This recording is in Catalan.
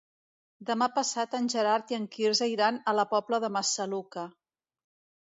Demà passat en Gerard i en Quirze iran a la Pobla de Massaluca.